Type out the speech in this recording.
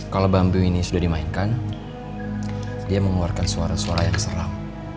kalau bambu ini sudah dimainkan dia mengeluarkan suara suara yang seram